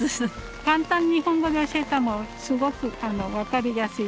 簡単日本語で教えたのすごく分かりやすいの。